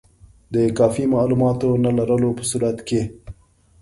د کافي معلوماتو نه لرلو په صورت کې.